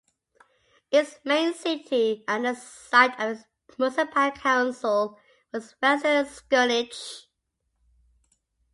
Its main city and the site of its municipal council was Vester Skerninge.